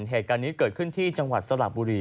เหตุการณ์นี้เกิดขึ้นที่จังหวัดสระบุรี